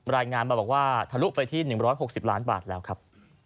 รายงานมาบอกว่าทะลุไปที่หนึ่งร้อยหกสิบล้านบาทแล้วครับ